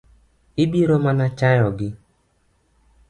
Ibiro mana chayo gi.